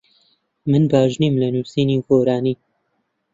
من باش نیم لە نووسینی گۆرانی.